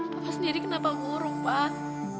bapak sendiri kenapa ngurung pak